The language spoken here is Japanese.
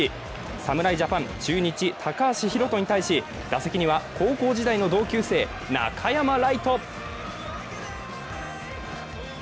侍ジャパン、中日・高橋宏斗に対し打席には、高校時代の同級生、中山礼都。